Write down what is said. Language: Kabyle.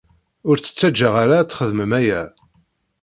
Ur tt-ttaǧǧaɣ ara ad texdem aya.